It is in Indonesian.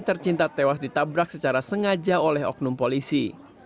tercinta tewas ditabrak secara sengaja oleh oknum polisi